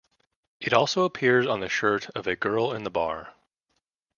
It also appears on the shirt of a girl in the bar.